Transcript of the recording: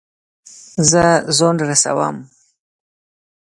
زه ځان رسوم